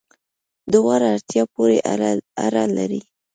دواړه، اړتیا پوری اړه لری